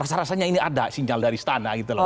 rasa rasanya ini ada sinyal dari istana gitu loh